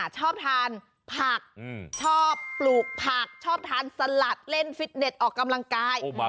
ชอบทานผักชอบปลูกผักชอบทานสลัดเล่นฟิตเน็ตออกกำลังกาย